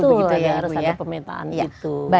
betul ya harus ada pemetaan gitu